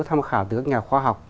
có tham khảo từ các nhà khoa học